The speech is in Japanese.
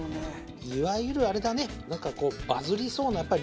いわゆるあれだねなんかこうバズりそうな料理だね